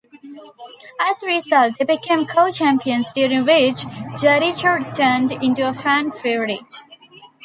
As a result, they became co-champions, during which, Jericho turned into a fan favorite.